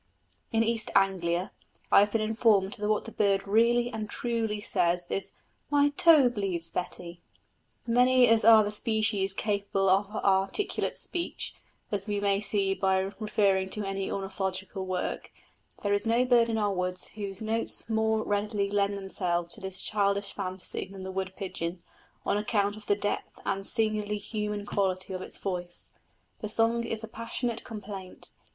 In East Anglia I have been informed that what the bird really and truly says is My toe bleeds, Betty. Many as are the species capable of articulate speech, as we may see by referring to any ornithological work, there is no bird in our woods whose notes more readily lend themselves to this childish fancy than the wood pigeon, on account of the depth and singularly human quality of its voice. The song is a passionate complaint.